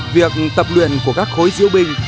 việc tập luyện của các khối diễu binh